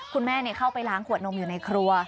เข้าไปล้างขวดนมอยู่ในครัว